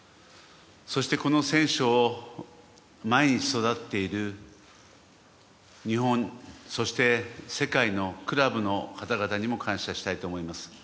そしてこの選手を毎日、育てている日本、そして世界のクラブの方々にも感謝したいと思います。